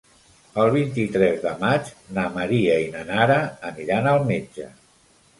El vint-i-tres de maig na Maria i na Nara aniran al metge.